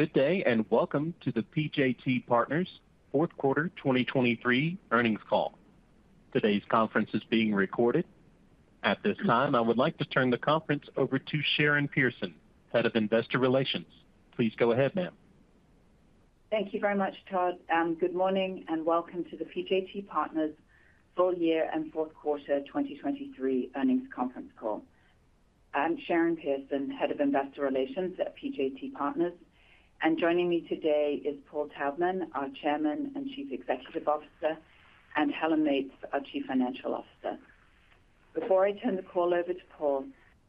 Good day, and welcome to the PJT Partners Fourth Quarter 2023 Earnings Call. Today's conference is being recorded. At this time, I would like to turn the conference over to Sharon Pearson, Head of Investor Relations. Please go ahead, ma'am. Thank you very much, Todd, and good morning, and welcome to the PJT Partners full year and fourth quarter 2023 earnings conference call. I'm Sharon Pearson, Head of Investor Relations at PJT Partners, and joining me today is Paul Taubman, our Chairman and Chief Executive Officer, and Helen Meates, our Chief Financial Officer. Before I turn the call over to Paul,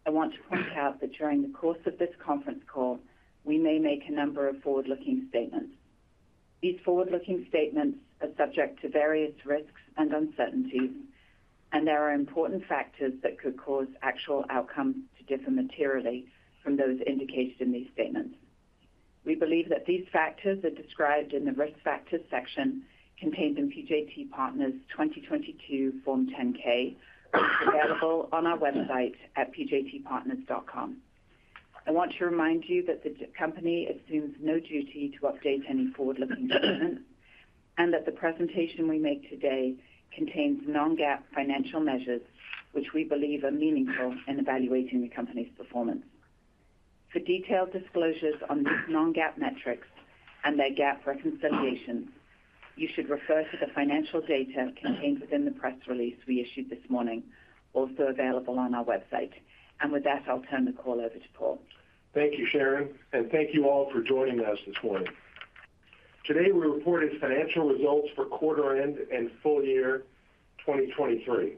I want to point out that during the course of this conference call, we may make a number of forward-looking statements. These forward-looking statements are subject to various risks and uncertainties, and there are important factors that could cause actual outcomes to differ materially from those indicated in these statements. We believe that these factors are described in the Risk Factors section, contained in PJT Partners 2022 Form 10-K, available on our website at pjtpartners.com. I want to remind you that the company assumes no duty to update any forward-looking statements, and that the presentation we make today contains non-GAAP financial measures, which we believe are meaningful in evaluating the company's performance. For detailed disclosures on these non-GAAP metrics and their GAAP reconciliation, you should refer to the financial data contained within the press release we issued this morning, also available on our website. With that, I'll turn the call over to Paul. Thank you, Sharon, and thank you all for joining us this morning. Today, we reported financial results for quarter end and full year 2023.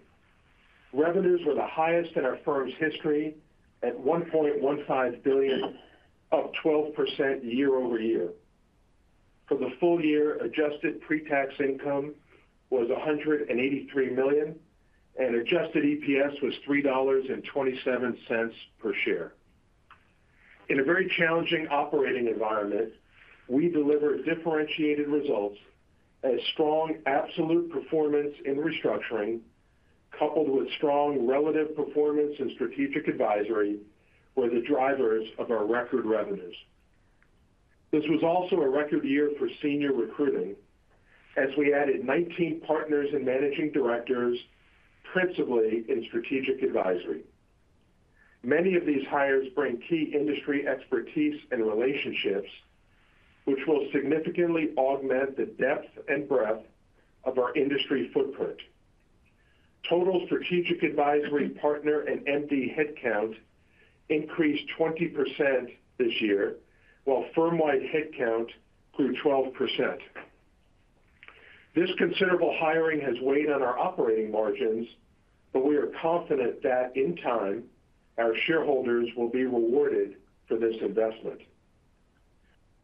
Revenues were the highest in our firm's history at $1.15 billion, up 12% year-over-year. For the full year, adjusted pre-tax income was $183 million, and Adjusted EPS was $3.27 per share. In a very challenging operating environment, we delivered differentiated results as strong absolute performance in restructuring, coupled with strong relative performance and strategic advisory, were the drivers of our record revenues. This was also a record year for senior recruiting, as we added 19 partners and managing directors, principally in strategic advisory. Many of these hires bring key industry expertise and relationships, which will significantly augment the depth and breadth of our industry footprint. Total Strategic Advisory partner and MD headcount increased 20% this year, while firm-wide headcount grew 12%. This considerable hiring has weighed on our operating margins, but we are confident that in time, our shareholders will be rewarded for this investment.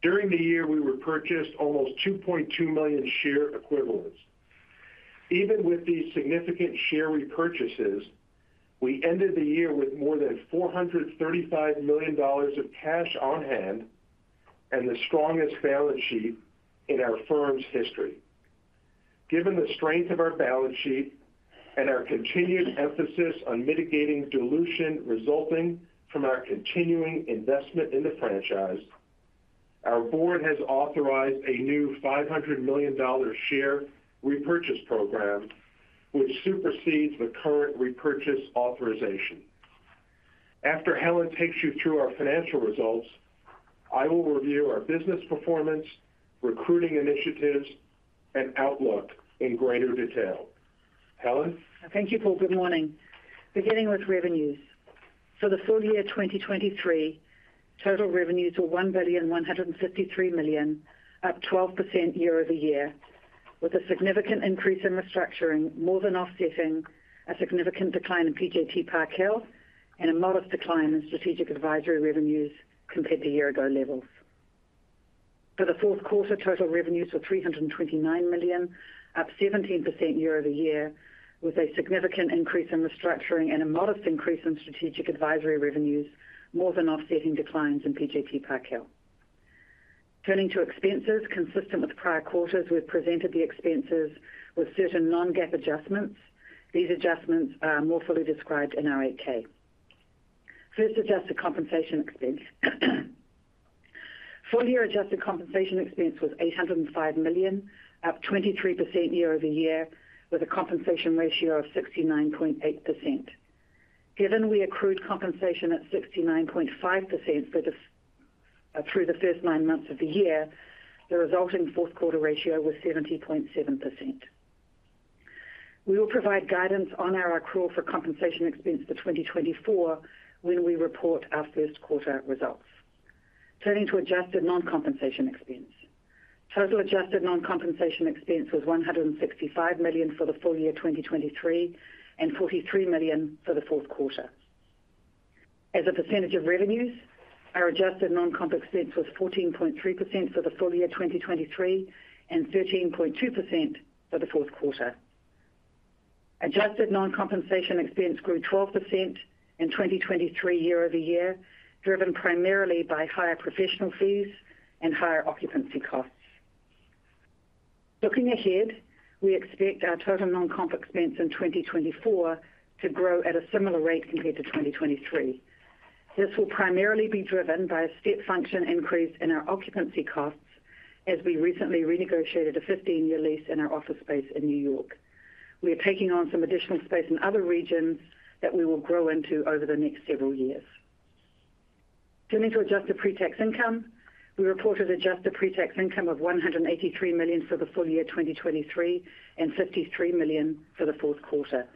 During the year, we repurchased almost 2.2 million share equivalents. Even with these significant share repurchases, we ended the year with more than $435 million of cash on hand and the strongest balance sheet in our firm's history. Given the strength of our balance sheet and our continued emphasis on mitigating dilution resulting from our continuing investment in the franchise, our board has authorized a new $500 million share repurchase program, which supersedes the current repurchase authorization. After Helen takes you through our financial results, I will review our business performance, recruiting initiatives, and outlook in greater detail. Helen? Thank you, Paul. Good morning. Beginning with revenues. For the full year 2023, total revenues were $1.153 billion, up 12% year-over-year, with a significant increase in restructuring, more than offsetting a significant decline in PJT Park Hill and a modest decline in strategic advisory revenues compared to year-ago levels. For the fourth quarter, total revenues were $329 million, up 17% year-over-year, with a significant increase in restructuring and a modest increase in strategic advisory revenues, more than offsetting declines in PJT Park Hill. Turning to expenses consistent with prior quarters, we've presented the expenses with certain non-GAAP adjustments. These adjustments are more fully described in our 8-K. First, adjusted compensation expense. Full year adjusted compensation expense was $805 million, up 23% year-over-year, with a compensation ratio of 69.8%. Given we accrued compensation at 69.5% through the first nine months of the year, the resulting fourth quarter ratio was 70.7%. We will provide guidance on our accrual for compensation expense for 2024 when we report our first quarter results. Turning to adjusted non-compensation expense. Total adjusted non-compensation expense was $165 million for the full year 2023, and $43 million for the fourth quarter. As a percentage of revenues, our adjusted non-comp expense was 14.3% for the full year 2023, and 13.2% for the fourth quarter. Adjusted non-compensation expense grew 12% in 2023 year-over-year, driven primarily by higher professional fees and higher occupancy costs. Looking ahead, we expect our total non-comp expense in 2024 to grow at a similar rate compared to 2023. This will primarily be driven by a step function increase in our occupancy costs, as we recently renegotiated a 15-year lease in our office space in New York. We are taking on some additional space in other regions that we will grow into over the next several years. Turning to adjusted pre-tax income, we reported adjusted pre-tax income of $183 million for the full year 2023, and $53 million for the fourth quarter.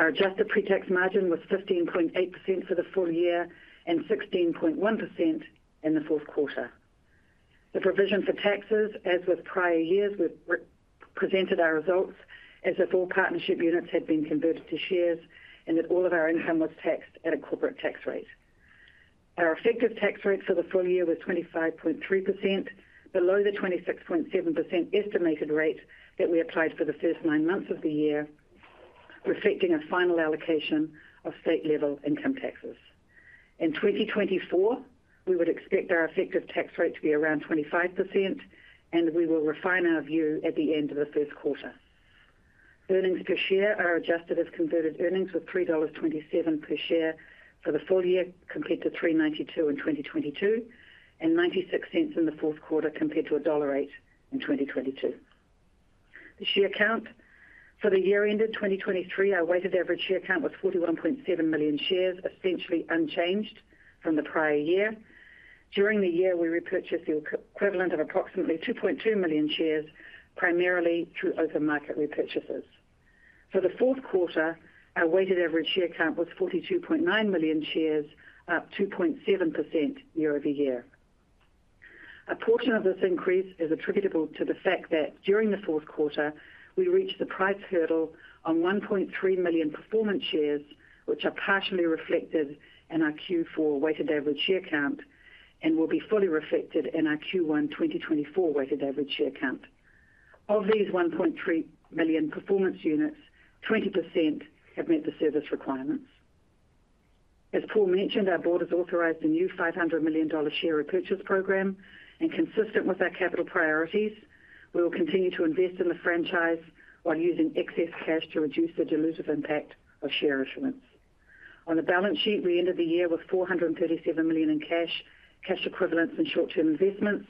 Our adjusted pre-tax margin was 15.8% for the full year and 16.1% in the fourth quarter. The provision for taxes, as with prior years, we've re-presented our results as if all partnership units had been converted to shares and that all of our income was taxed at a corporate tax rate. Our effective tax rate for the full year was 25.3%, below the 26.7% estimated rate that we applied for the first nine months of the year, reflecting a final allocation of state-level income taxes. In 2024, we would expect our effective tax rate to be around 25%, and we will refine our view at the end of the first quarter. Earnings per share are adjusted as converted earnings of $3.27 per share for the full year, compared to $3.92 in 2022, and $0.96 in the fourth quarter, compared to $1.08 in 2022. The share count. For the year ended 2023, our weighted average share count was 41.7 million shares, essentially unchanged from the prior year. During the year, we repurchased the equivalent of approximately 2.2 million shares, primarily through open market repurchases. For the fourth quarter, our weighted average share count was 42.9 million shares, up 2.7% year-over-year. A portion of this increase is attributable to the fact that during the fourth quarter, we reached the price hurdle on 1.3 million performance shares, which are partially reflected in our Q4 weighted average share count and will be fully reflected in our Q1 2024 weighted average share count. Of these 1.3 million performance units, 20% have met the service requirements. As Paul mentioned, our board has authorized a new $500 million share repurchase program, and consistent with our capital priorities, we will continue to invest in the franchise while using excess cash to reduce the dilutive impact of share issuance. On the balance sheet, we ended the year with $437 million in cash, cash equivalents, and short-term investments,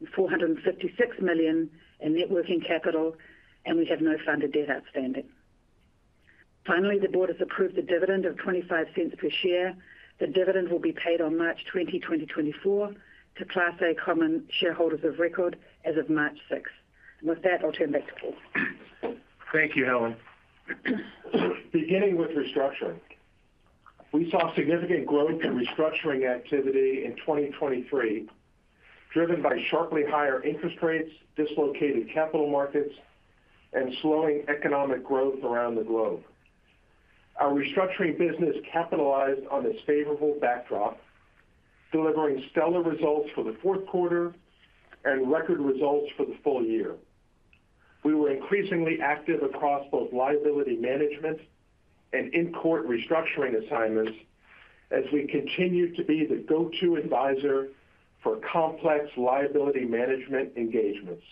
and $456 million in net working capital, and we have no funded debt outstanding. Finally, the board has approved a dividend of $0.25 per share. The dividend will be paid on March 20, 2024 to Class A common shareholders of record as of March 6. And with that, I'll turn back to Paul. Thank you, Helen. Beginning with Restructuring. We saw significant growth in Restructuring activity in 2023, driven by sharply higher interest rates, dislocated capital markets, and slowing economic growth around the globe. Our Restructuring business capitalized on this favorable backdrop, delivering stellar results for the fourth quarter and record results for the full year. We were increasingly active across both liability management and in-court Restructuring assignments as we continued to be the go-to advisor for complex liability management engagements.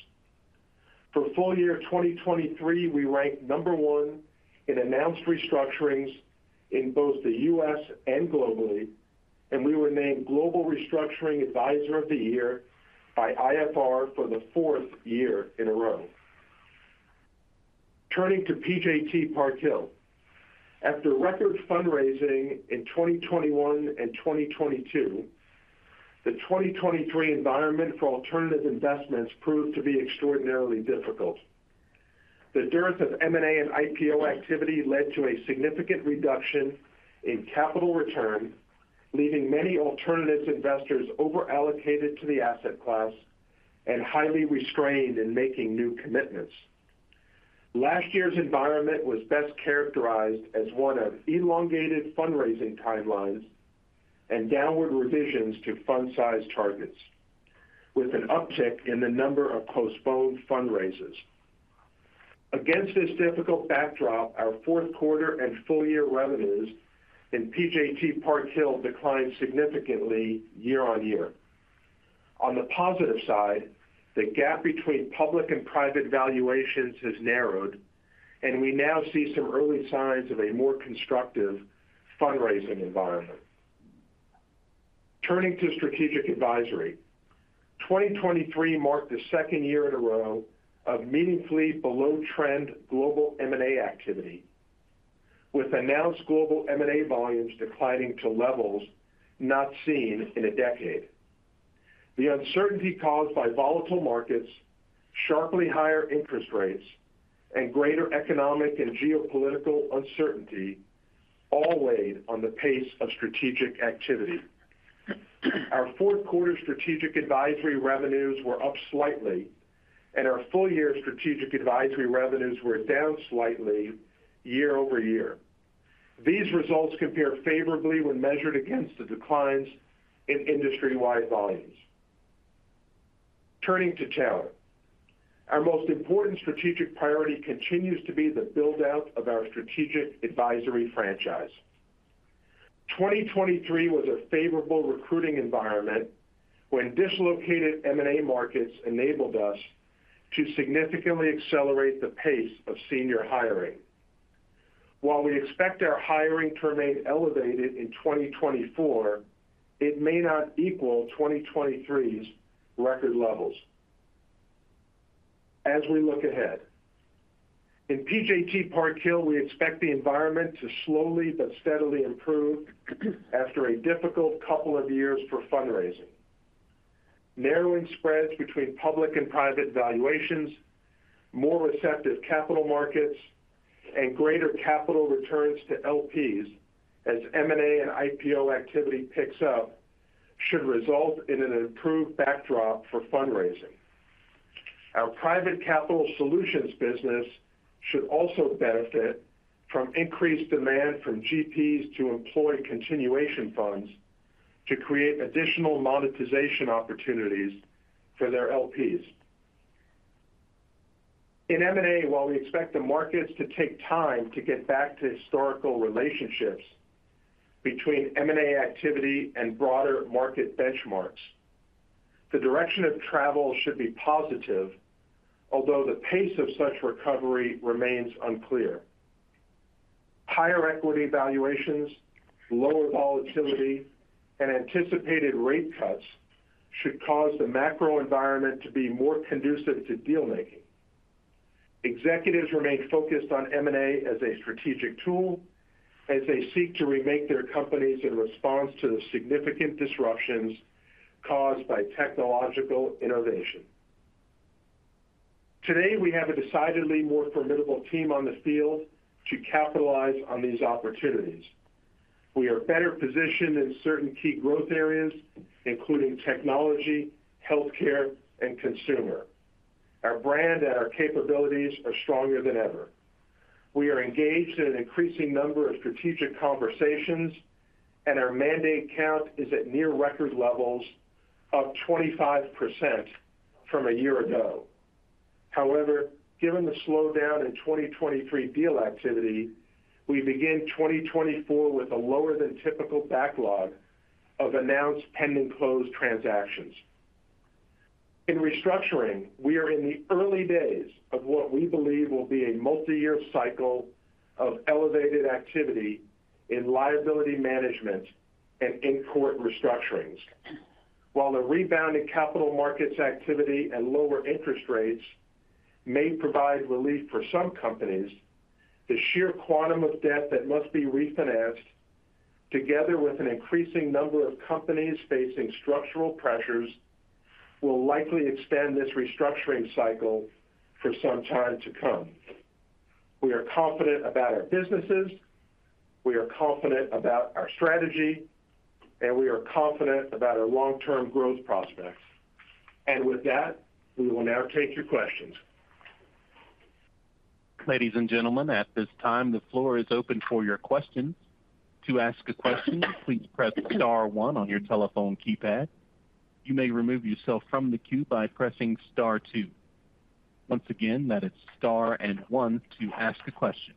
For full year 2023, we ranked number 1 in announced restructurings in both the US and globally, and we were named Global Restructuring Advisor of the Year by IFR for the fourth year in a row. Turning to PJT Park Hill. After record fundraising in 2021 and 2022, the 2023 environment for alternative investments proved to be extraordinarily difficult. The dearth of M&A and IPO activity led to a significant reduction in capital return, leaving many alternatives investors over-allocated to the asset class and highly restrained in making new commitments. Last year's environment was best characterized as one of elongated fundraising timelines and downward revisions to fund size targets, with an uptick in the number of postponed fundraisers. Against this difficult backdrop, our fourth quarter and full-year revenues in PJT Park Hill declined significantly year-over-year. On the positive side, the gap between public and private valuations has narrowed, and we now see some early signs of a more constructive fundraising environment. Turning to Strategic Advisory. 2023 marked the second year in a row of meaningfully below trend global M&A activity, with announced global M&A volumes declining to levels not seen in a decade. The uncertainty caused by volatile markets, sharply higher interest rates, and greater economic and geopolitical uncertainty all weighed on the pace of strategic activity. Our fourth quarter strategic advisory revenues were up slightly, and our full-year strategic advisory revenues were down slightly year-over-year. These results compare favorably when measured against the declines in industry-wide volumes. Turning to talent. Our most important strategic priority continues to be the build-out of our strategic advisory franchise.... 2023 was a favorable recruiting environment, when dislocated M&A markets enabled us to significantly accelerate the pace of senior hiring. While we expect our hiring to remain elevated in 2024, it may not equal 2023's record levels. As we look ahead, in PJT Park Hill, we expect the environment to slowly but steadily improve after a difficult couple of years for fundraising. Narrowing spreads between public and private valuations, more receptive capital markets, and greater capital returns to LPs as M&A and IPO activity picks up, should result in an improved backdrop for fundraising. Our Private Capital Solutions business should also benefit from increased demand from GPs to employ continuation funds to create additional monetization opportunities for their LPs. In M&A, while we expect the markets to take time to get back to historical relationships between M&A activity and broader market benchmarks, the direction of travel should be positive, although the pace of such recovery remains unclear. Higher equity valuations, lower volatility, and anticipated rate cuts should cause the macro environment to be more conducive to deal making. Executives remain focused on M&A as a strategic tool as they seek to remake their companies in response to the significant disruptions caused by technological innovation. Today, we have a decidedly more formidable team on the field to capitalize on these opportunities. We are better positioned in certain key growth areas, including technology, healthcare, and consumer. Our brand and our capabilities are stronger than ever. We are engaged in an increasing number of strategic conversations, and our mandate count is at near record levels, up 25% from a year ago. However, given the slowdown in 2023 deal activity, we begin 2024 with a lower than typical backlog of announced pending closed transactions. In restructuring, we are in the early days of what we believe will be a multiyear cycle of elevated activity in liability management and in court restructurings. While the rebound in capital markets activity and lower interest rates may provide relief for some companies, the sheer quantum of debt that must be refinanced, together with an increasing number of companies facing structural pressures, will likely extend this restructuring cycle for some time to come. We are confident about our businesses, we are confident about our strategy, and we are confident about our long-term growth prospects. With that, we will now take your questions. Ladies and gentlemen, at this time, the floor is open for your questions. To ask a question, please press star one on your telephone keypad. You may remove yourself from the queue by pressing star two. Once again, that is star and one to ask a question.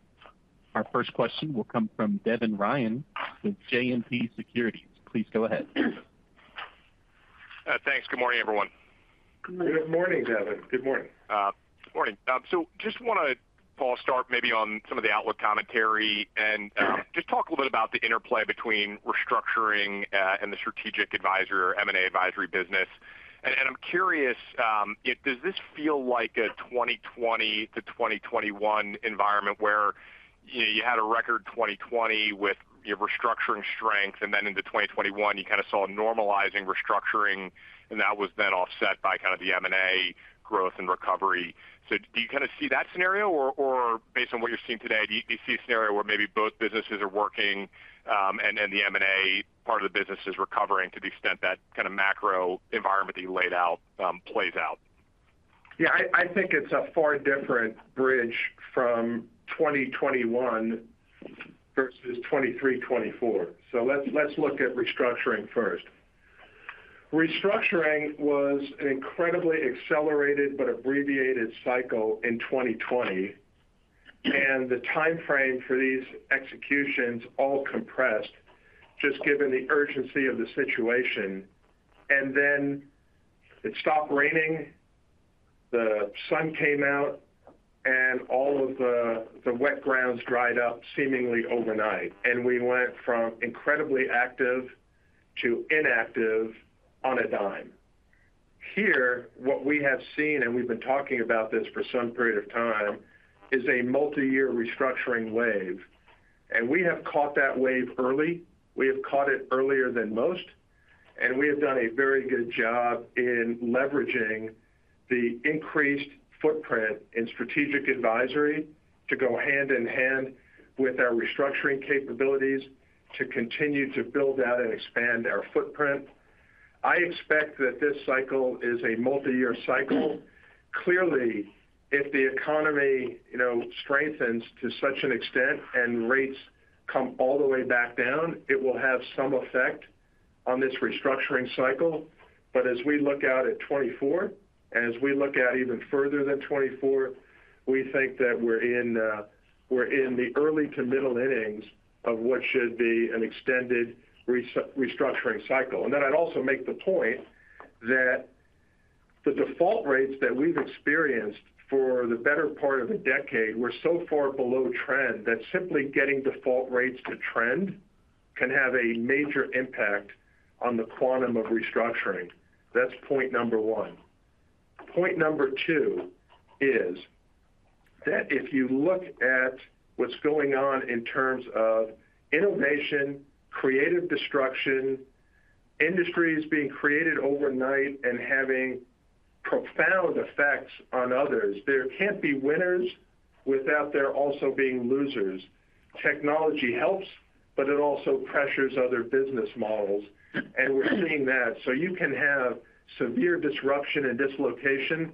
Our first question will come from Devin Ryan with JMP Securities. Please go ahead. Thanks. Good morning, everyone. Good morning, Devin. Good morning. Good morning. So just wanna, Paul, start maybe on some of the outlook commentary and just talk a little bit about the interplay between Restructuring and the Strategic Advisory, M&A advisory business. And I'm curious if does this feel like a 2020 to 2021 environment where, you know, you had a record 2020 with your Restructuring strength, and then into 2021, you kind of saw a normalizing Restructuring, and that was then offset by kind of the M&A growth and recovery. So do you kind of see that scenario? Or based on what you're seeing today, do you see a scenario where maybe both businesses are working and the M&A part of the business is recovering to the extent that kind of macro environment that you laid out plays out? Yeah, I, I think it's a far different bridge from 2021 versus 2023, 2024. So let's, let's look at Restructuring first. Restructuring was an incredibly accelerated but abbreviated cycle in 2020, and the time frame for these executions all compressed, just given the urgency of the situation. And then it stopped raining, the sun came out, and all of the, the wet grounds dried up seemingly overnight, and we went from incredibly active to inactive on a dime. Here, what we have seen, and we've been talking about this for some period of time, is a multi-year Restructuring wave, and we have caught that wave early. We have caught it earlier than most, and we have done a very good job in leveraging the increased footprint in Strategic Advisory to go hand in hand with our Restructuring capabilities to continue to build out and expand our footprint. I expect that this cycle is a multiyear cycle. Clearly, if the economy, you know, strengthens to such an extent and rates come all the way back down, it will have some effect on this restructuring cycle. But as we look out at 2024, and as we look out even further than 2024, we think that we're in, we're in the early to middle innings of what should be an extended restructuring cycle. And then I'd also make the point that the default rates that we've experienced for the better part of a decade were so far below trend that simply getting default rates to trend can have a major impact on the quantum of restructuring. That's point number one. Point number two is that if you look at what's going on in terms of innovation, creative destruction, industries being created overnight and having profound effects on others, there can't be winners without there also being losers. Technology helps, but it also pressures other business models, and we're seeing that. So you can have severe disruption and dislocation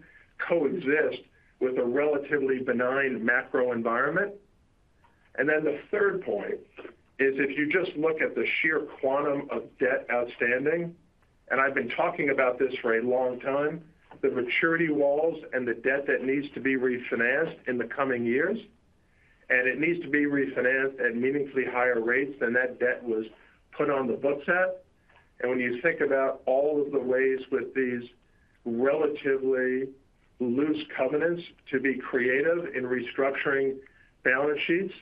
coexist with a relatively benign macro environment. And then the third point is, if you just look at the sheer quantum of debt outstanding, and I've been talking about this for a long time, the maturity walls and the debt that needs to be refinanced in the coming years, and it needs to be refinanced at meaningfully higher rates than that debt was put on the books at. When you think about all of the ways with these relatively loose covenants to be creative in restructuring balance sheets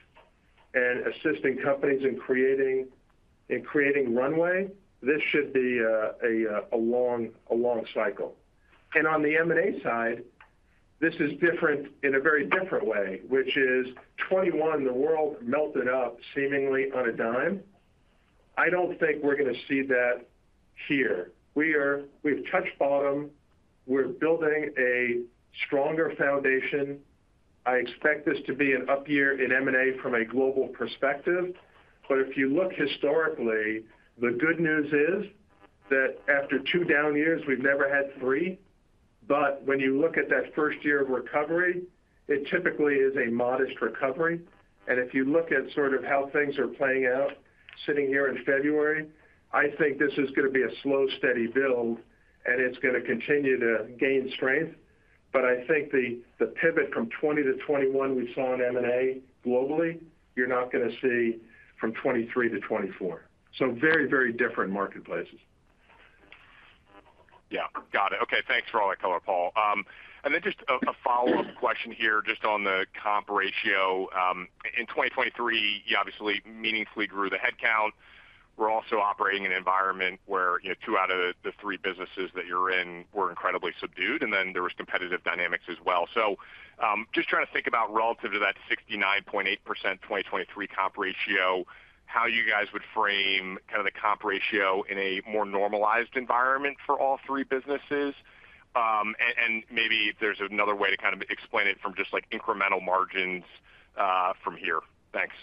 and assisting companies in creating runway, this should be a long cycle. On the M&A side, this is different in a very different way, which is 2021, the world melted up seemingly on a dime. I don't think we're going to see that here. We are. We've touched bottom. We're building a stronger foundation. I expect this to be an up year in M&A from a global perspective. If you look historically, the good news is that after two down years, we've never had three. When you look at that first year of recovery, it typically is a modest recovery. If you look at sort of how things are playing out, sitting here in February, I think this is going to be a slow, steady build, and it's going to continue to gain strength. But I think the pivot from 2020 to 2021 we saw in M&A globally, you're not going to see from 2023 to 2024. So very, very different marketplaces. Yeah. Got it. Okay, thanks for all that color, Paul. And then just a follow-up question here, just on the comp ratio. In 2023, you obviously meaningfully grew the headcount. We're also operating in an environment where, you know, two out of the three businesses that you're in were incredibly subdued, and then there was competitive dynamics as well. So, just trying to think about relative to that 69.8% 2023 comp ratio, how you guys would frame the comp ratio in a more normalized environment for all three businesses? And maybe if there's another way to kind of explain it from just, like, incremental margins, from here. Thanks.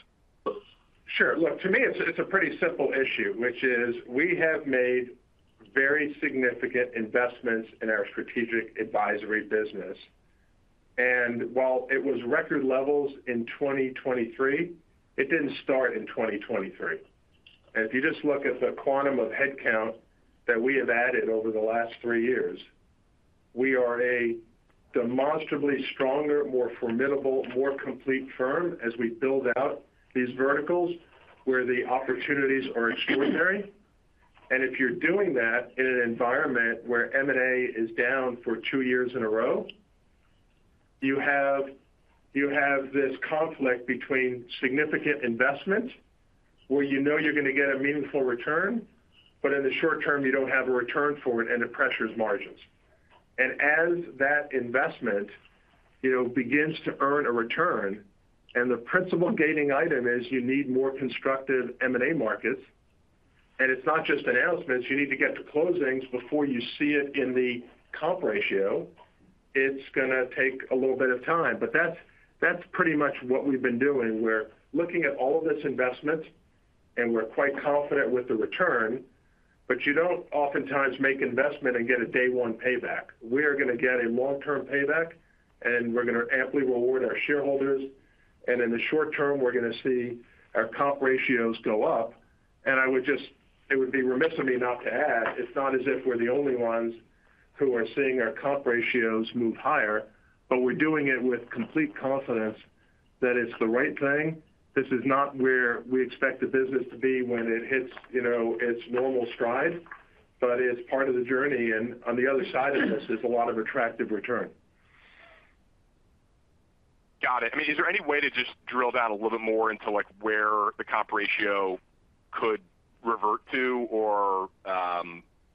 Sure. Look, to me, it's a pretty simple issue, which is we have made very significant investments in our Strategic Advisory business. And while it was record levels in 2023, it didn't start in 2023. And if you just look at the quantum of headcount that we have added over the last three years, we are a demonstrably stronger, more formidable, more complete firm as we build out these verticals where the opportunities are extraordinary. And if you're doing that in an environment where M&A is down for two years in a row, you have this conflict between significant investment, where you know you're going to get a meaningful return, but in the short term, you don't have a return for it, and it pressures margins. And as that investment, you know, begins to earn a return, and the principal gating item is you need more constructive M&A markets, and it's not just announcements, you need to get to closings before you see it in the comp ratio. It's going to take a little bit of time, but that's pretty much what we've been doing. We're looking at all of this investment, and we're quite confident with the return, but you don't oftentimes make investment and get a day one payback. We are going to get a long-term payback, and we're going to amply reward our shareholders. And in the short term, we're going to see our comp ratios go up. It would be remiss of me not to add, it's not as if we're the only ones who are seeing our comp ratios move higher, but we're doing it with complete confidence that it's the right thing. This is not where we expect the business to be when it hits, you know, its normal stride, but it's part of the journey, and on the other side of this, there's a lot of attractive return. Got it. I mean, is there any way to just drill down a little bit more into, like, where the comp ratio could revert to or,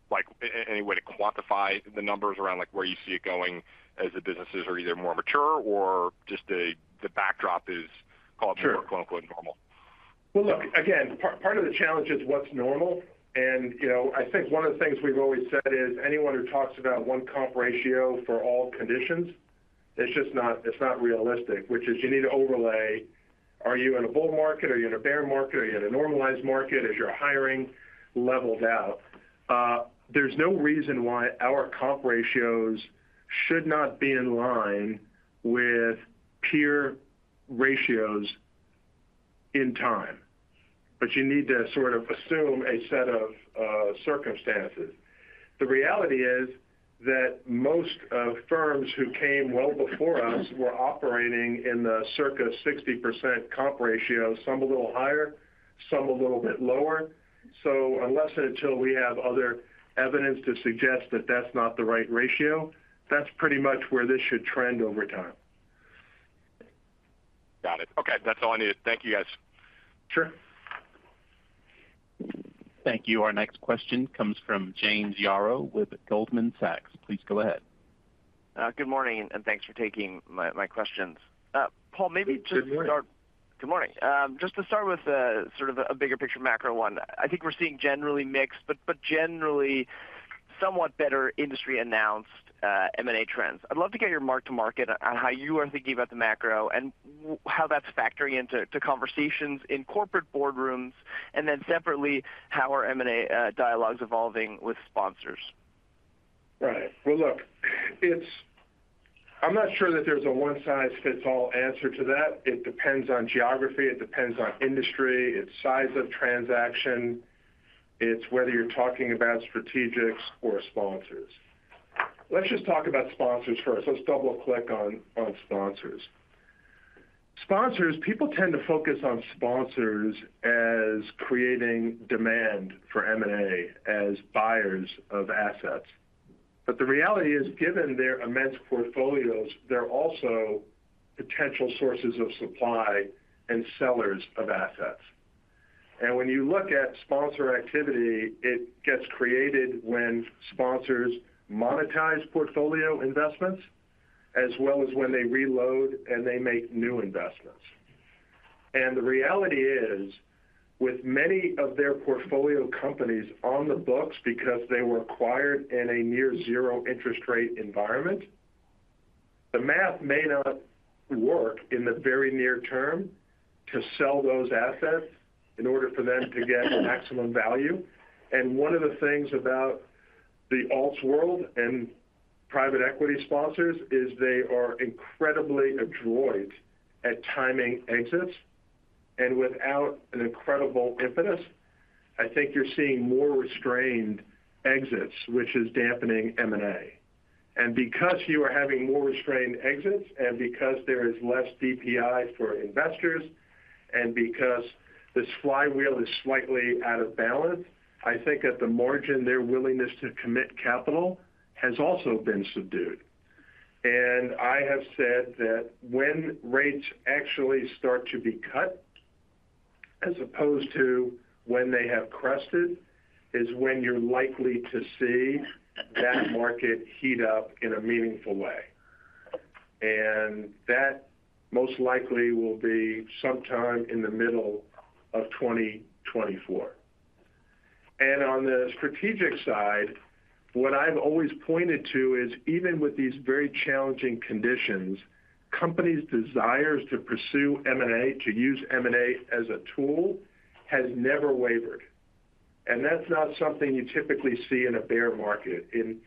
like, any way to quantify the numbers around, like, where you see it going as the businesses are either more mature or just the backdrop is called? Sure... more clinical and normal? Well, look, again, part, part of the challenge is what's normal. And, you know, I think one of the things we've always said is, anyone who talks about one comp ratio for all conditions, it's just not, it's not realistic, which is you need to overlay. Are you in a bull market? Are you in a bear market? Are you in a normalized market? Is your hiring leveled out? There's no reason why our comp ratios should not be in line with peer ratios.... in time, but you need to sort of assume a set of, uh, circumstances. The reality is that most of firms who came well before us were operating in the circa 60% comp ratio, some a little higher, some a little bit lower. Unless and until we have other evidence to suggest that that's not the right ratio, that's pretty much where this should trend over time. Got it. Okay, that's all I needed. Thank you, guys. Sure. Thank you. Our next question comes from James Yaro with Goldman Sachs. Please go ahead. Good morning, and thanks for taking my, my questions. Paul, maybe to start- Good morning. Good morning. Just to start with, sort of a bigger picture, macro one, I think we're seeing generally mixed, but generally somewhat better industry-announced M&A trends. I'd love to get your mark-to-market on how you are thinking about the macro, and how that's factoring into conversations in corporate boardrooms, and then separately, how are M&A dialogues evolving with sponsors? Right. Well, look, it's- I'm not sure that there's a one-size-fits-all answer to that. It depends on geography, it depends on industry, it's size of transaction, it's whether you're talking about strategics or sponsors. Let's just talk about sponsors first. Let's double-click on, on sponsors. Sponsors, people tend to focus on sponsors as creating demand for M&A as buyers of assets. But the reality is, given their immense portfolios, they're also potential sources of supply and sellers of assets. And when you look at sponsor activity, it gets created when sponsors monetize portfolio investments, as well as when they reload and they make new investments. The reality is, with many of their portfolio companies on the books because they were acquired in a near zero interest rate environment, the math may not work in the very near term to sell those assets in order for them to get maximum value. One of the things about the alts world and private equity sponsors is they are incredibly adroit at timing exits, and without an incredible impetus, I think you're seeing more restrained exits, which is dampening M&A. Because you are having more restrained exits, and because there is less DPI for investors, and because this flywheel is slightly out of balance, I think at the margin, their willingness to commit capital has also been subdued. And I have said that when rates actually start to be cut, as opposed to when they have crested, is when you're likely to see that market heat up in a meaningful way. And that most likely will be sometime in the middle of 2024. And on the strategic side, what I've always pointed to is, even with these very challenging conditions, companies' desires to pursue M&A, to use M&A as a tool, has never wavered. And that's not something you typically see in a bear market. In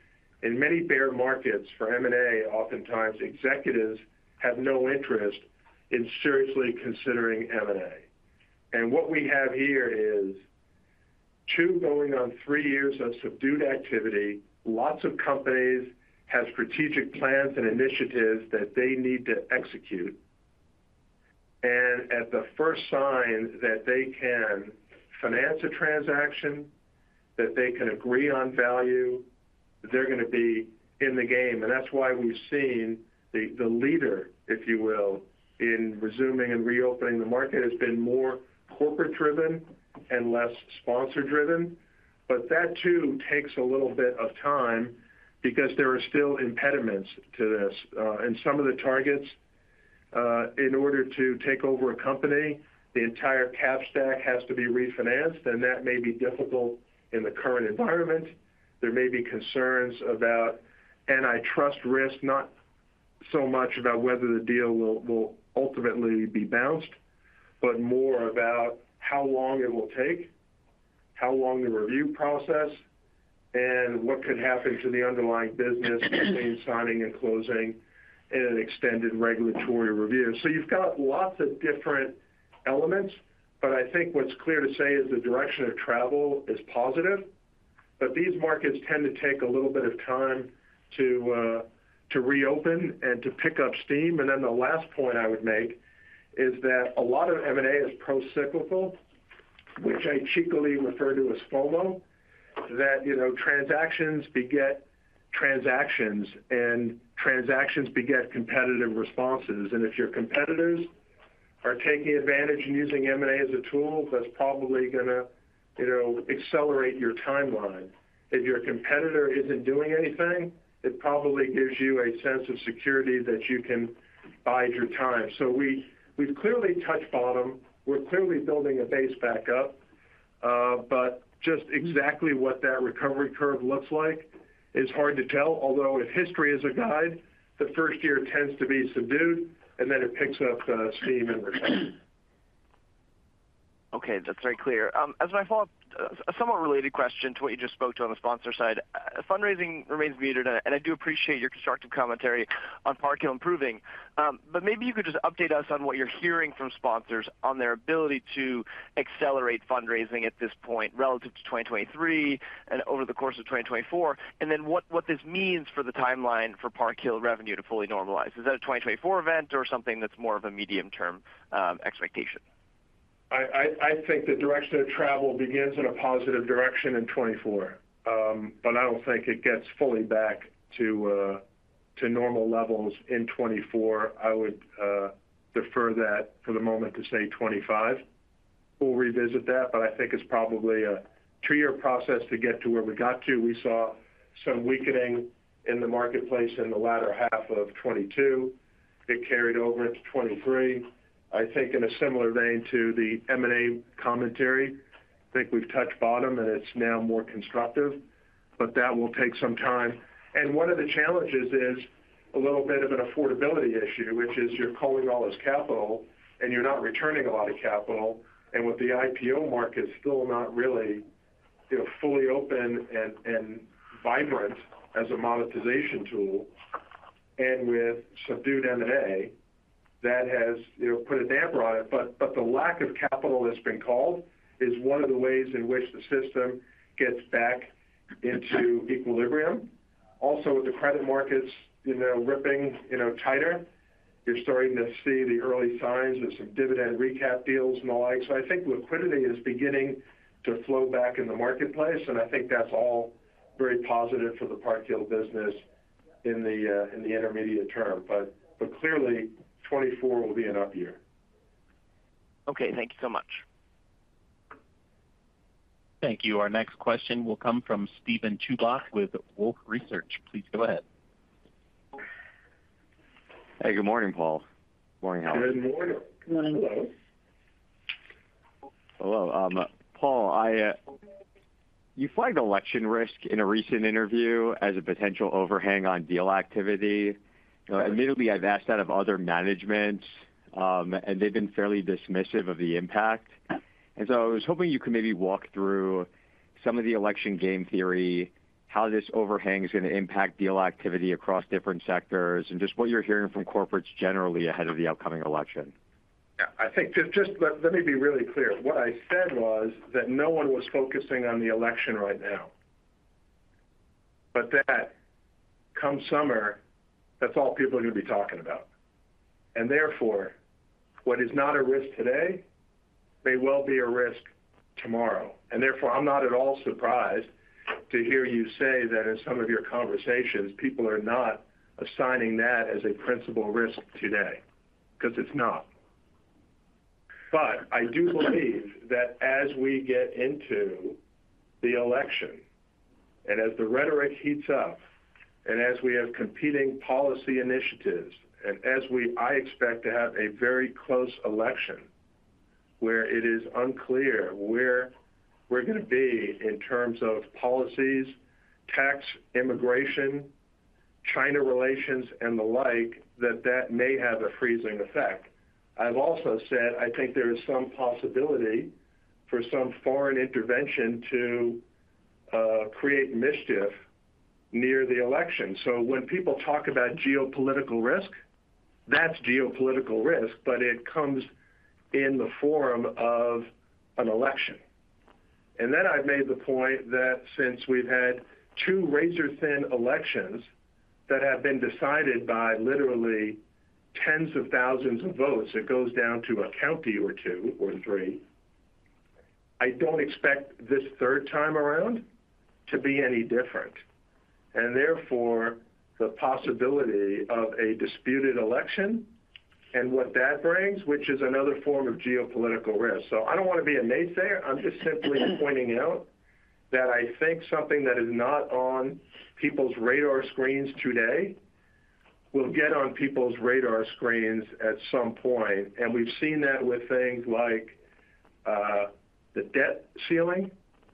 many bear markets for M&A, oftentimes, executives have no interest in seriously considering M&A. And what we have here is two going on three years of subdued activity. Lots of companies have strategic plans and initiatives that they need to execute, and at the first sign that they can finance a transaction, that they can agree on value, they're gonna be in the game. And that's why we've seen the leader, if you will, in resuming and reopening the market, has been more corporate-driven and less sponsor-driven. But that, too, takes a little bit of time because there are still impediments to this. And some of the targets in order to take over a company, the entire cap stack has to be refinanced, and that may be difficult in the current environment. There may be concerns about antitrust risk, not so much about whether the deal will ultimately be bounced, but more about how long it will take, how long the review process, and what could happen to the underlying business between signing and closing in an extended regulatory review. So you've got lots of different elements, but I think what's clear to say is the direction of travel is positive, but these markets tend to take a little bit of time to to reopen and to pick up steam. And then the last point I would make is that a lot of M&A is procyclical, which I cheekily refer to as FOMO, that, you know, transactions beget transactions, and transactions beget competitive responses. And if your competitors are taking advantage and using M&A as a tool, that's probably gonna, you know, accelerate your timeline. If your competitor isn't doing anything, it probably gives you a sense of security that you can bide your time. So we, we've clearly touched bottom. We're clearly building a base back up, but just exactly what that recovery curve looks like is hard to tell. Although, if history is a guide, the first year tends to be subdued, and then it picks up steam in return. .Okay, that's very clear. As my follow-up, a somewhat related question to what you just spoke to on the sponsor side. Fundraising remains muted, and I do appreciate your constructive commentary on Park Hill improving. But maybe you could just update us on what you're hearing from sponsors on their ability to accelerate fundraising at this point relative to 2023 and over the course of 2024, and then what this means for the timeline for Park Hill revenue to fully normalize. Is that a 2024 event or something that's more of a medium-term expectation? I think the direction of travel begins in a positive direction in 2024, but I don't think it gets fully back to normal levels in 2024. I would defer that for the moment to say 2025. We'll revisit that, but I think it's probably a two-year process to get to where we got to. We saw some weakening in the marketplace in the latter half of 2022. It carried over into 2023. I think in a similar vein to the M&A commentary, I think we've touched bottom and it's now more constructive, but that will take some time. And one of the challenges is a little bit of an affordability issue, which is you're calling all this capital and you're not returning a lot of capital. With the IPO market still not really, you know, fully open and vibrant as a monetization tool, and with subdued M&A, that has, you know, put a damper on it. But the lack of capital that's been called is one of the ways in which the system gets back into equilibrium. Also, with the credit markets, you know, ripping, you know, tighter, you're starting to see the early signs of some dividend recap deals and the like. So I think liquidity is beginning to flow back in the marketplace, and I think that's all very positive for the Park Hill business in the intermediate term. But clearly, 2024 will be an up year. Okay, thank you so much. Thank you. Our next question will come from Steven Chubak with Wolfe Research. Please go ahead. Hey, good morning, Paul. Morning, Helen. Good morning. Good morning, hello. Hello. Paul, you flagged election risk in a recent interview as a potential overhang on deal activity. Admittedly, I've asked that of other managements, and they've been fairly dismissive of the impact. And so I was hoping you could maybe walk through some of the election game theory, how this overhang is going to impact deal activity across different sectors, and just what you're hearing from corporates generally ahead of the upcoming election. Yeah, I think just let me be really clear. What I said was that no one was focusing on the election right now, but that come summer, that's all people are going to be talking about. And therefore, what is not a risk today may well be a risk tomorrow. And therefore, I'm not at all surprised to hear you say that in some of your conversations, people are not assigning that as a principal risk today, because it's not. But I do believe that as we get into the election and as the rhetoric heats up and as we, I expect to have a very close election where it is unclear where we're going to be in terms of policies, tax, immigration, China relations, and the like, that that may have a freezing effect. I've also said I think there is some possibility for some foreign intervention to create mischief near the election. So when people talk about geopolitical risk, that's geopolitical risk, but it comes in the form of an election. And then I've made the point that since we've had two razor-thin elections that have been decided by literally tens of thousands of votes, it goes down to a county or two or three. I don't expect this third time around to be any different, and therefore, the possibility of a disputed election and what that brings, which is another form of geopolitical risk. So I don't want to be a naysayer. I'm just simply pointing out that I think something that is not on people's radar screens today will get on people's radar screens at some point. We've seen that with things like the debt ceiling,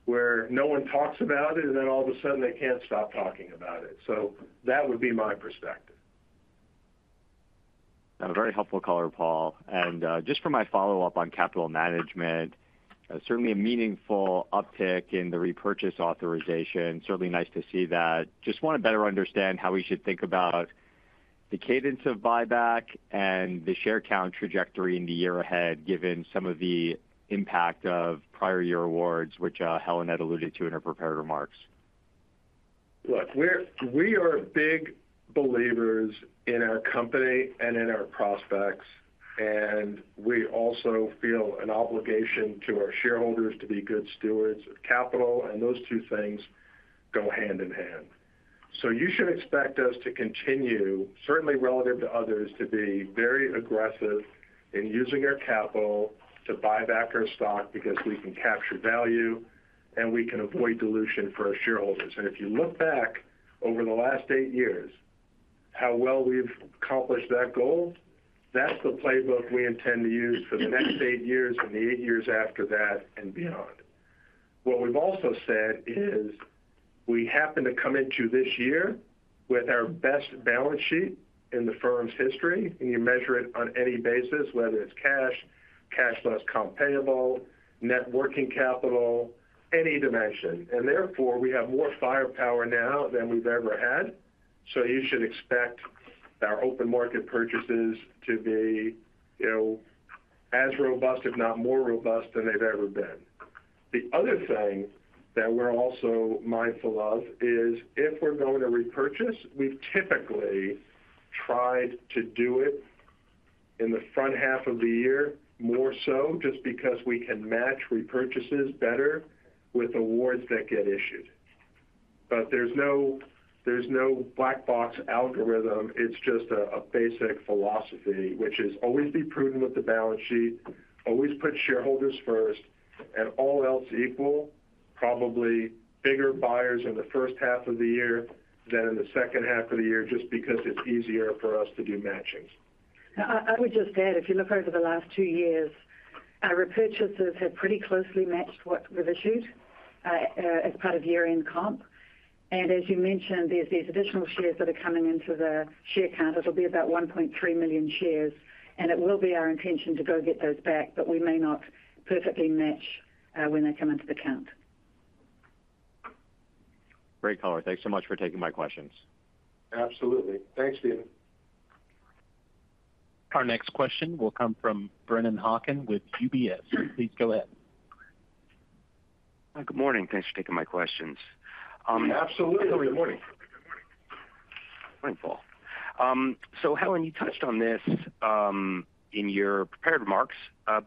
where no one talks about it, and then all of a sudden, they can't stop talking about it. So that would be my perspective. A very helpful caller, Paul. Just for my follow-up on capital management, certainly a meaningful uptick in the repurchase authorization. Certainly nice to see that. Just want to better understand how we should think about the cadence of buyback and the share count trajectory in the year ahead, given some of the impact of prior year awards, which, Helen had alluded to in her prepared remarks. Look, we are big believers in our company and in our prospects, and we also feel an obligation to our shareholders to be good stewards of capital, and those two things go hand in hand. So you should expect us to continue, certainly relative to others, to be very aggressive in using our capital to buy back our stock because we can capture value and we can avoid dilution for our shareholders. And if you look back over the last eight years, how well we've accomplished that goal, that's the playbook we intend to use for the next eight years and the eight years after that and beyond. What we've also said is, we happen to come into this year with our best balance sheet in the firm's history, and you measure it on any basis, whether it's cash, cash plus comp payable, net working capital, any dimension. And therefore, we have more firepower now than we've ever had. So you should expect our open market purchases to be, you know, as robust, if not more robust than they've ever been. The other thing that we're also mindful of is, if we're going to repurchase, we've typically tried to do it in the front half of the year, more so just because we can match repurchases better with awards that get issued. But there's no, there's no black box algorithm. It's just a, a basic philosophy, which is always be prudent with the balance sheet, always put shareholders first, and all else equal, probably bigger buyers in the first half of the year than in the second half of the year, just because it's easier for us to do matchings. I would just add, if you look over the last two years, our repurchases have pretty closely matched what we've issued as part of year-end comp. And as you mentioned, there's these additional shares that are coming into the share count. It'll be about 1.3 million shares, and it will be our intention to go get those back, but we may not perfectly match when they come into the count. Great, caller. Thanks so much for taking my questions. Absolutely. Thanks, Steven. Our next question will come from Brennan Hawken with UBS. Please go ahead. Hi, good morning. Thanks for taking my questions. Absolutely. Good morning. Good morning, Paul. So Helen, you touched on this, in your prepared remarks,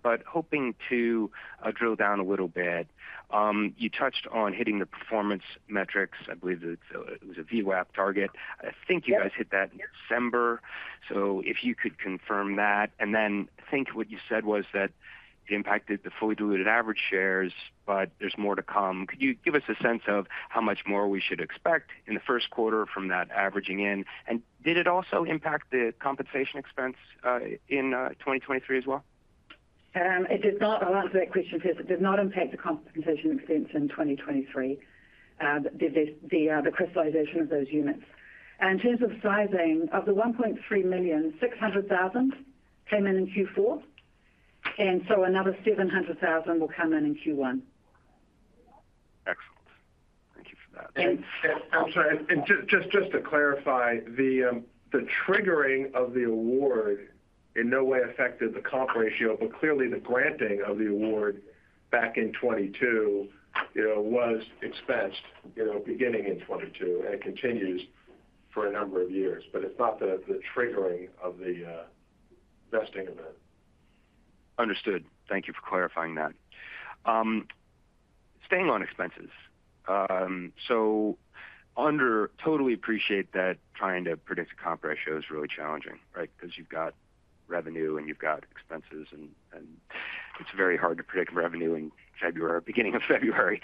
but hoping to drill down a little bit. You touched on hitting the performance metrics. I believe it's, it was a VWAP target. Yes. I think you guys hit that in December. So if you could confirm that, and then I think what you said was that it impacted the fully diluted average shares, but there's more to come. Could you give us a sense of how much more we should expect in the first quarter from that averaging in? And did it also impact the compensation expense in 2023 as well? It did not. I'll answer that question first. It did not impact the compensation expense in 2023. The crystallization of those units. In terms of sizing, of the 1.3 million, 600,000 came in in Q4, and so another 700,000 will come in in Q1. Excellent. Thank you for that. I'm sorry. And just to clarify, the triggering of the award in no way affected the comp ratio, but clearly the granting of the award back in 2022, you know, was expensed, you know, beginning in 2022, and it continues for a number of years. But it's not the triggering of the vesting event. Understood. Thank you for clarifying that. Staying on expenses, so totally appreciate that trying to predict the comp ratio is really challenging, right? Because you've got revenue and you've got expenses, and it's very hard to predict revenue in February, beginning of February.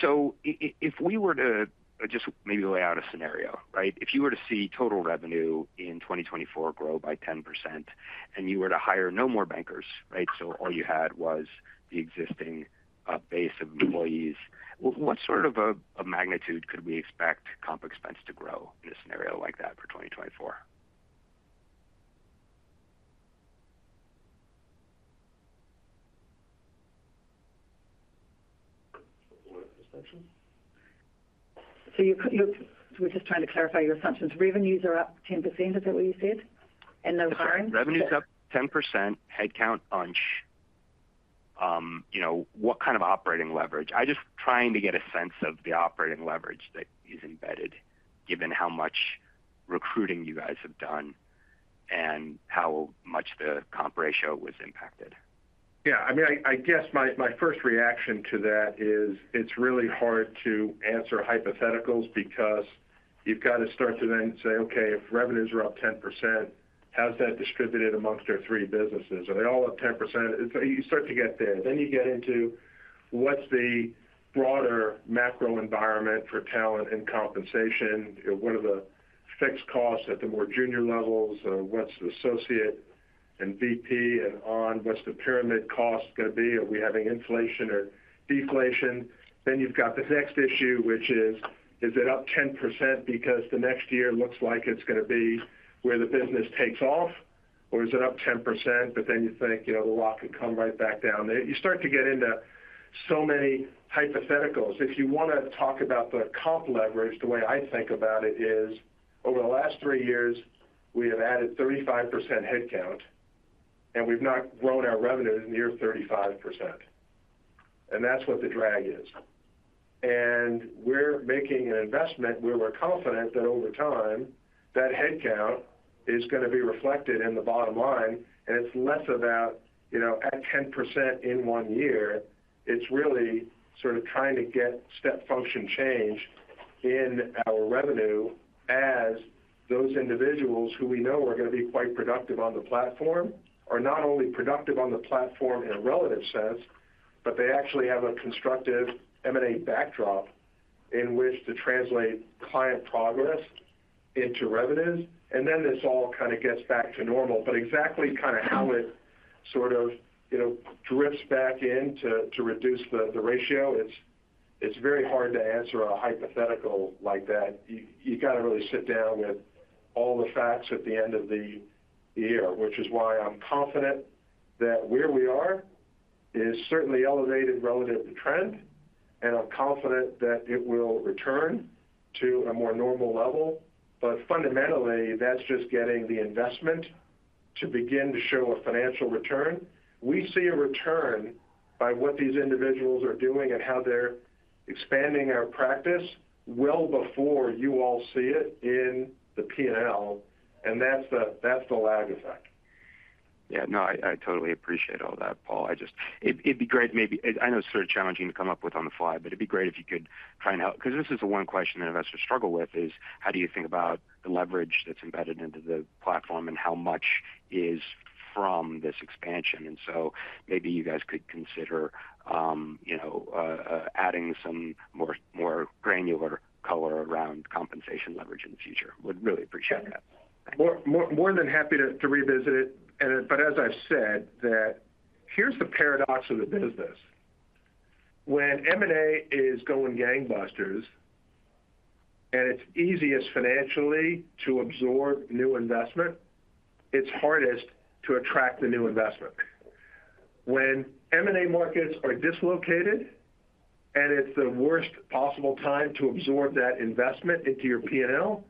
So if we were to just maybe lay out a scenario, right? If you were to see total revenue in 2024 grow by 10%, and you were to hire no more bankers, right? So all you had was the existing base of employees, what sort of a magnitude could we expect comp expense to grow in a scenario like that for 2024? What are the assumptions? So we're just trying to clarify your assumptions. Revenues are up 10%, is that what you said? And no hiring. Revenue is up 10%, headcount unch. You know, what kind of operating leverage? I'm just trying to get a sense of the operating leverage that is embedded, given how much recruiting you guys have done and how much the comp ratio was impacted. Yeah, I mean, I guess my first reaction to that is it's really hard to answer hypotheticals because you've got to start to then say, okay, if revenues are up 10%, how's that distributed among our three businesses? Are they all up 10%? You start to get there. Then you get into what's the broader macro environment for talent and compensation? What are the fixed costs at the more junior levels, or what's the associate and VP and on? What's the pyramid cost going to be? Are we having inflation or deflation? Then you've got the next issue, which is, is it up 10% because the next year looks like it's going to be where the business takes off, or is it up 10%, but then you think, you know, the lock could come right back down? You start to get into so many hypotheticals. If you want to talk about the comp leverage, the way I think about it is, over the last three years, we have added 35% headcount, and we've not grown our revenues near 35%. That's what the drag is. We're making an investment where we're confident that over time, that headcount is going to be reflected in the bottom line, and it's less about, you know, at 10% in one year. It's really sort of trying to get step function change in our revenue as those individuals who we know are going to be quite productive on the platform, are not only productive on the platform in a relative sense, but they actually have a constructive M&A backdrop... in which to translate client progress into revenues, and then this all kind of gets back to normal. But exactly kind of how it sort of, you know, drifts back in to reduce the ratio, it's very hard to answer a hypothetical like that. You got to really sit down with all the facts at the end of the year, which is why I'm confident that where we are is certainly elevated relative to trend, and I'm confident that it will return to a more normal level. But fundamentally, that's just getting the investment to begin to show a financial return. We see a return by what these individuals are doing and how they're expanding our practice well before you all see it in the P&L, and that's the lag effect. Yeah, no, I totally appreciate all that, Paul. I just, it'd be great, maybe... I know it's sort of challenging to come up with on the fly, but it'd be great if you could try and help, because this is the one question that investors struggle with, is: how do you think about the leverage that's embedded into the platform, and how much is from this expansion? And so maybe you guys could consider, you know, adding some more granular color around compensation leverage in the future. Would really appreciate that. More than happy to revisit it. But as I've said, here's the paradox of the business. When M&A is going gangbusters, and it's easiest financially to absorb new investment, it's hardest to attract the new investment. When M&A markets are dislocated, and it's the worst possible time to absorb that investment into your P&L,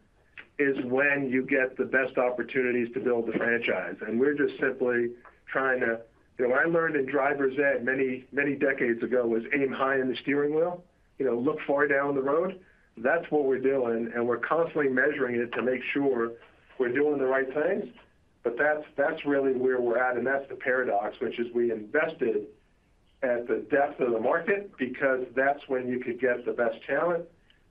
is when you get the best opportunities to build the franchise. And we're just simply trying to—you know, I learned in driver's ed many, many decades ago, was aim high in the steering wheel, you know, look far down the road. That's what we're doing, and we're constantly measuring it to make sure we're doing the right things. But that's really where we're at, and that's the paradox, which is we invested at the depth of the market because that's when you could get the best talent.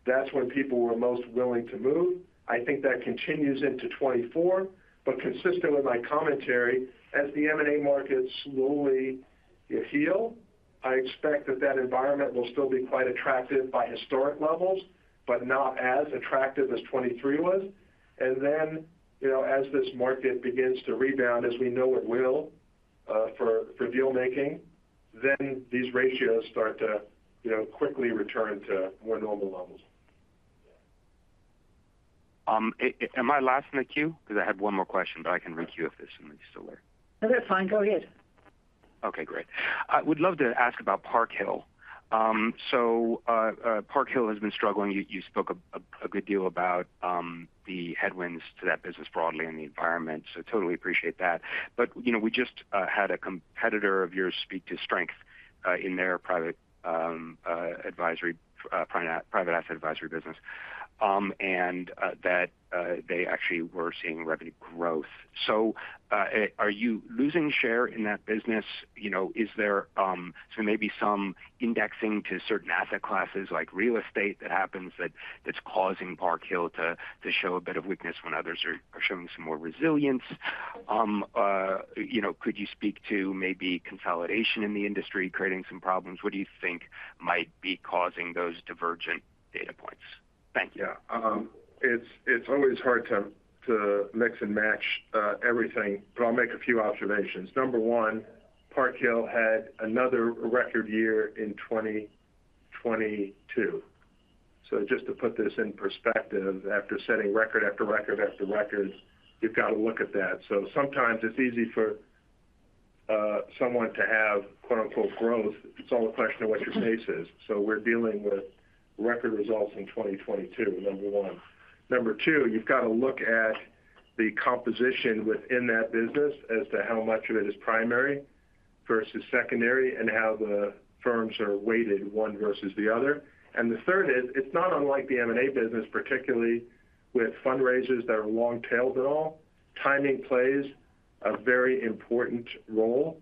That's when people were most willing to move. I think that continues into 2024. But consistent with my commentary, as the M&A markets slowly heal, I expect that that environment will still be quite attractive by historic levels, but not as attractive as 2023 was. And then, you know, as this market begins to rebound, as we know it will, for deal making, then these ratios start to, you know, quickly return to more normal levels. Am I last in the queue? Because I have one more question, but I can requeue if there's somebody still there. No, that's fine. Go ahead. Okay, great. I would love to ask about Park Hill. Park Hill has been struggling. You spoke a good deal about the headwinds to that business broadly and the environment, so totally appreciate that. But, you know, we just had a competitor of yours speak to strength in their private asset advisory business, and that they actually were seeing revenue growth. So, are you losing share in that business? You know, is there so maybe some indexing to certain asset classes, like real estate, that's causing Park Hill to show a bit of weakness when others are showing some more resilience? You know, could you speak to maybe consolidation in the industry creating some problems? What do you think might be causing those divergent data points? Thank you. Yeah. It's always hard to mix and match everything, but I'll make a few observations. Number 1, Park Hill had another record year in 2022. So just to put this in perspective, after setting record after record after record, you've got to look at that. So sometimes it's easy for someone to have "growth." It's all a question of what your base is. So we're dealing with record results in 2022, number 1. Number 2, you've got to look at the composition within that business as to how much of it is primary versus secondary, and how the firms are weighted, one versus the other. And the third is, it's not unlike the M&A business, particularly with fundraisers that are long-tailed and all. Timing plays a very important role,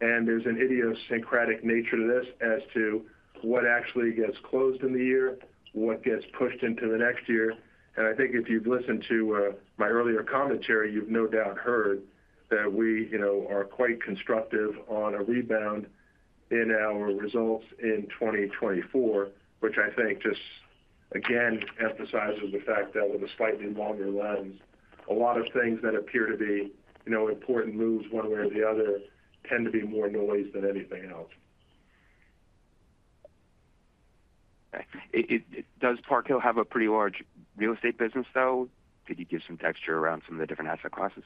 and there's an idiosyncratic nature to this as to what actually gets closed in the year, what gets pushed into the next year. I think if you've listened to my earlier commentary, you've no doubt heard that we, you know, are quite constructive on a rebound in our results in 2024, which I think just, again, emphasizes the fact that with a slightly longer lens, a lot of things that appear to be, you know, important moves one way or the other, tend to be more noise than anything else. Okay. Does Park Hill have a pretty large real estate business, though? Could you give some texture around some of the different asset classes?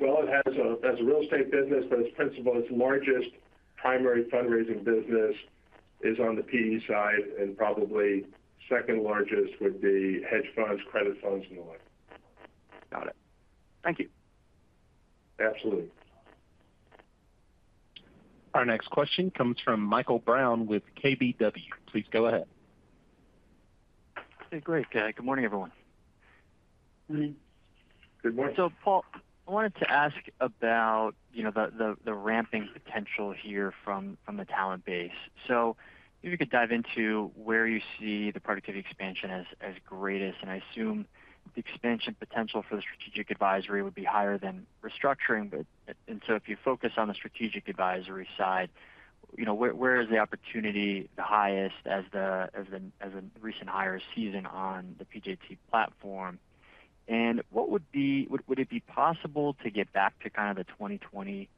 Well, it has a real estate business, but its principal, its largest primary fundraising business is on the PE side, and probably second largest would be hedge funds, credit funds, and the like. Got it. Thank you. Absolutely. Our next question comes from Michael Brown with KBW. Please go ahead. Hey, great. Good morning, everyone. Good morning. So, Paul, I wanted to ask about, you know, the ramping potential here from the talent base. So if you could dive into where you see the productivity expansion as greatest, and I assume the expansion potential for the strategic advisory would be higher than restructuring. But, and so if you focus on the strategic advisory side... You know, where is the opportunity the highest as the recent hire season on the PJT platform? And what would be-- would it be possible to get back to kind of the 2020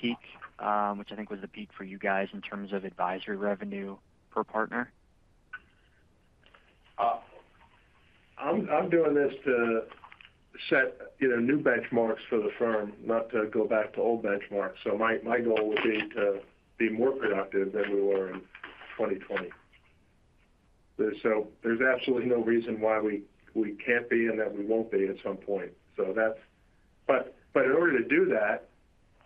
peak, which I think was the peak for you guys in terms of advisory revenue per partner? I'm doing this to set, you know, new benchmarks for the firm, not to go back to old benchmarks. So my goal would be to be more productive than we were in 2020. So there's absolutely no reason why we can't be, and that we won't be at some point. So that's... But in order to do that,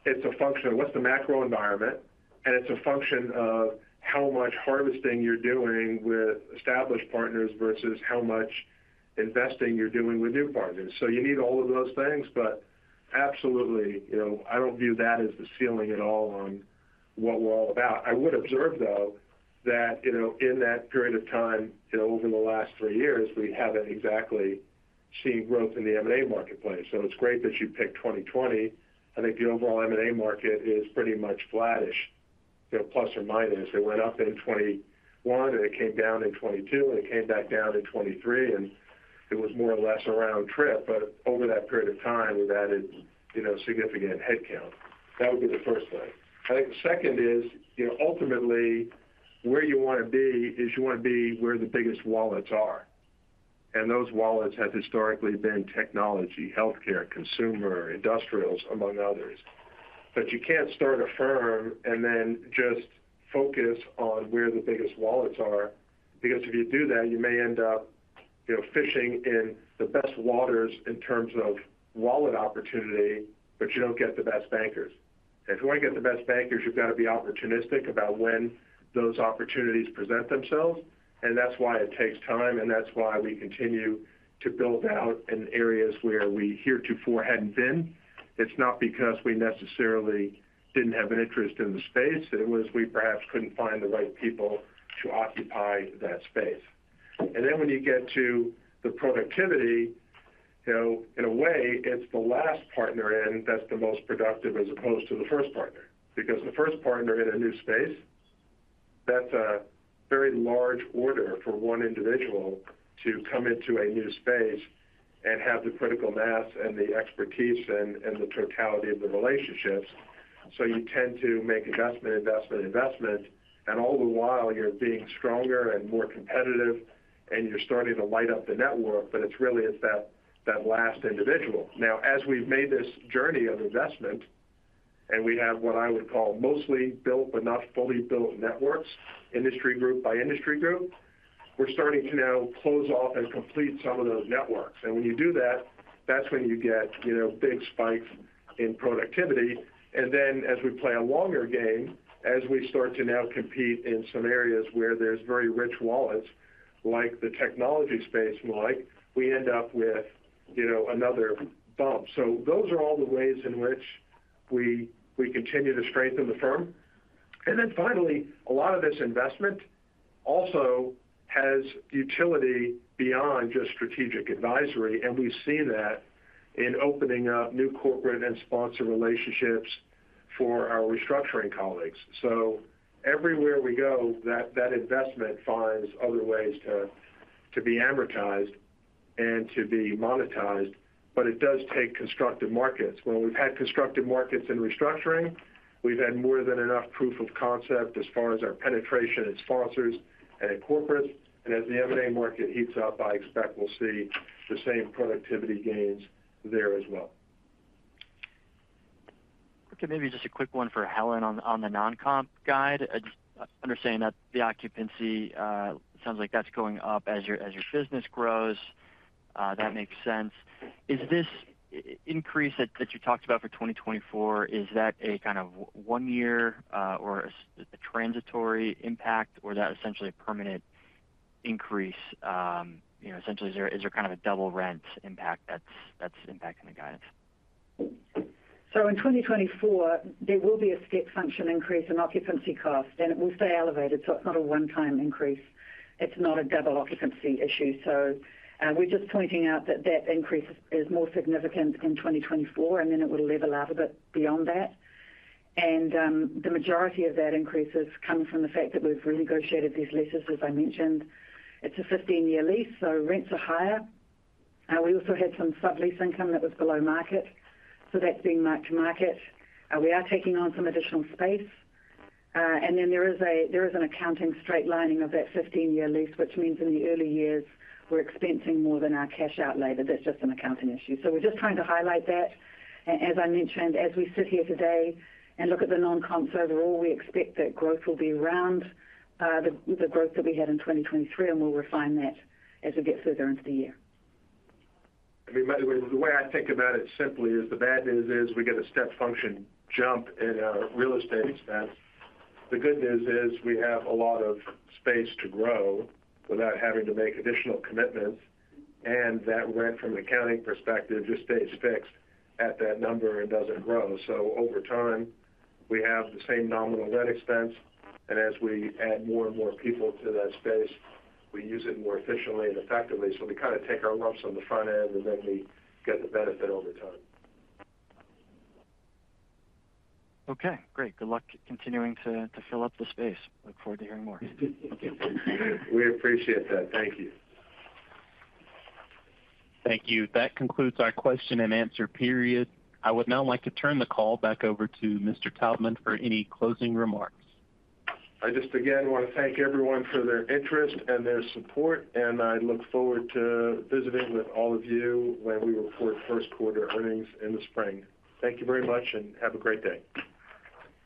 it's a function of what's the macro environment, and it's a function of how much harvesting you're doing with established partners versus how much investing you're doing with new partners. So you need all of those things, but absolutely, you know, I don't view that as the ceiling at all on what we're all about. I would observe, though, that, you know, in that period of time, you know, over the last three years, we haven't exactly seen growth in the M&A marketplace. So it's great that you picked 2020. I think the overall M&A market is pretty much flattish, plus or minus. It went up in 2021, and it came down in 2022, and it came back down in 2023, and it was more or less a round trip. But over that period of time, we've added, you know, significant headcount. That would be the first thing. I think the second is, you know, ultimately, where you want to be is you want to be where the biggest wallets are. And those wallets have historically been technology, healthcare, consumer, industrials, among others. But you can't start a firm and then just focus on where the biggest wallets are, because if you do that, you may end up, you know, fishing in the best waters in terms of wallet opportunity, but you don't get the best bankers. If you want to get the best bankers, you've got to be opportunistic about when those opportunities present themselves, and that's why it takes time, and that's why we continue to build out in areas where we heretofore hadn't been. It's not because we necessarily didn't have an interest in the space; it was, we perhaps couldn't find the right people to occupy that space. And then when you get to the productivity, you know, in a way, it's the last partner in that's the most productive, as opposed to the first partner. Because the first partner in a new space, that's a very large order for one individual to come into a new space and have the critical mass and the expertise and the totality of the relationships. So you tend to make investment, investment, investment, and all the while, you're being stronger and more competitive, and you're starting to light up the network, but it's really it's that, that last individual. Now, as we've made this journey of investment, and we have what I would call mostly built but not fully built networks, industry group by industry group, we're starting to now close off and complete some of those networks. And when you do that, that's when you get, you know, big spikes in productivity. And then as we play a longer game, as we start to now compete in some areas where there's very rich wallets, like the technology space, Mike, we end up with, you know, another bump. So those are all the ways in which we, we continue to strengthen the firm. Then finally, a lot of this investment also has utility beyond just strategic advisory, and we see that in opening up new corporate and sponsor relationships for our restructuring colleagues. So everywhere we go, that investment finds other ways to be amortized and to be monetized, but it does take constructive markets. When we've had constructive markets in restructuring, we've had more than enough proof of concept as far as our penetration in sponsors and in corporates. As the M&A market heats up, I expect we'll see the same productivity gains there as well. Okay, maybe just a quick one for Helen on the non-comp guide. I just understand that the occupancy sounds like that's going up as your business grows. That makes sense. Is this increase that you talked about for 2024, is that a kind of one year or a transitory impact, or is that essentially a permanent increase? You know, essentially, is there kind of a double rent impact that's impacting the guidance? In 2024, there will be a step function increase in occupancy cost, and it will stay elevated, so it's not a one-time increase. It's not a double occupancy issue. We're just pointing out that that increase is more significant in 2024, and then it will level out a bit beyond that. The majority of that increase has come from the fact that we've renegotiated these leases. As I mentioned, it's a 15-year lease, so rents are higher. We also had some sublease income that was below market, so that's being marked to market. We are taking on some additional space, and then there is an accounting straight-lining of that 15-year lease, which means in the early years, we're expensing more than our cash outlay. That's just an accounting issue. We're just trying to highlight that. As I mentioned, as we sit here today and look at the non-comps overall, we expect that growth will be around the growth that we had in 2023, and we'll refine that as we get further into the year. I mean, by the way, the way I think about it simply is the bad news is we get a step function jump in our real estate expense. The good news is we have a lot of space to grow without having to make additional commitments, and that rent, from an accounting perspective, just stays fixed at that number and doesn't grow. So over time, we have the same nominal rent expense, and as we add more and more people to that space, we use it more efficiently and effectively. So we take our lumps on the front end, and then we get the benefit over time. Okay, great. Good luck continuing to fill up the space. Look forward to hearing more. We appreciate that. Thank you. Thank you. That concludes our question and answer period. I would now like to turn the call back over to Mr. Taubman for any closing remarks. I just, again, want to thank everyone for their interest and their support, and I look forward to visiting with all of you when we report first quarter earnings in the spring. Thank you very much, and have a great day.